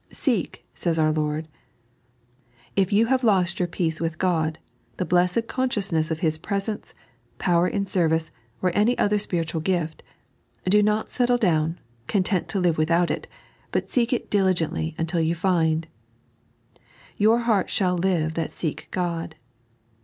Seek, says our Lord. It you have lost your peace with God, the blessed con sciousness of His presence, power in service, or uiy other spiritual gift, do not settle down, content to live without it, but seek it diligently until you find. " Your hearts shall live that seek Ood."